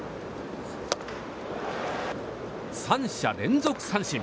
３者連続三振。